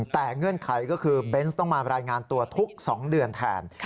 แต่เงื่อนไขก็คือเบนส์ต้องมารายงานตัวทุก๒เดือนแทน